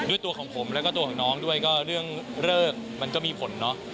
ตัวของผมแล้วก็ตัวของน้องด้วยก็เรื่องเลิกมันก็มีผลเนาะ